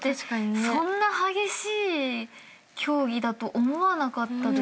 そんな激しい競技だと思わなかったです。